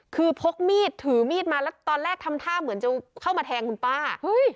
คือพกมีดถือมีดมาแล้วตอนแรกทำท่าเหมือนจะเข้ามาแทงคุณป้า